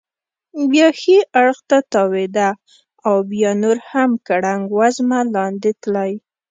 بیا ښي اړخ ته تاوېده او بیا نور هم ګړنګ وزمه لاندې تلی.